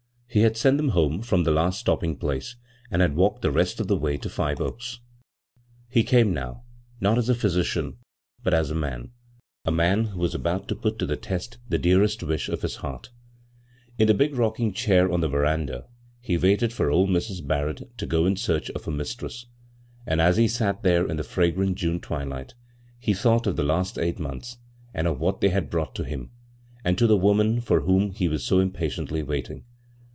He had sent them home from the last stopping place and had walked the rest of the way to Five Oaks. 173 b, Google CROSS CURRENTS He came now, not as a physidan, but as a man — a man who was about to put to the test the dearest wish of his heart In the big rocking cliair on the veranda he waited for old Mrs. Barrett to go in search of her mistress; and as he sat there in the fragrant June twilight, he thought of the last ^ght monttis, and of what they had brought to him, and to the woman for whom he was so impatiently waiting.